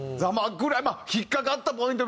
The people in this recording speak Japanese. まあ引っかかったポイント